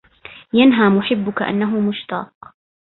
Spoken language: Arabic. ينهى محبك انه مشتاق